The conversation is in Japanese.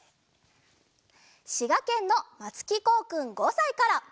しがけんのまつきこうくん５さいから。